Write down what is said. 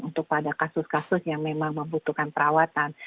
untuk pada kasus kasus yang memang membutuhkan perawatan